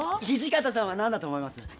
土方さんは何だと思います？